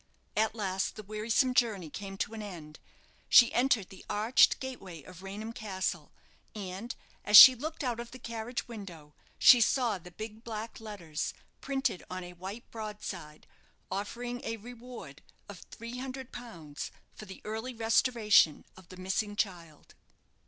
At last the wearisome journey came to an end. She entered the arched gateway of Raynham Castle; and, as she looked out of the carriage window, she saw the big black letters, printed on a white broadside, offering a reward of three hundred pounds for the early restoration of the missing child.